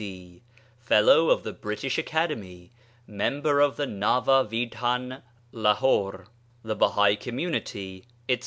D. D. FELLOW OF THE BRITISH ACADEMY, MEMBER OF THE NAVA VIDHAN (LAHORE), THE BAHAI COMMUNITY, ETC.